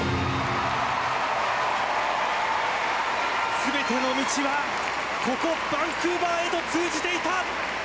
全ての道は、ここバンクーバーへと続いていた。